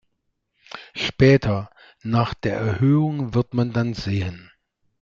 Später, nach der Erhöhung, wird man dann sehen" .